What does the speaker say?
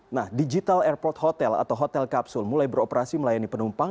nah digital airport hotel atau hotel kapsul mulai beroperasi melayani penumpang